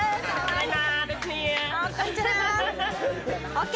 ＯＫ！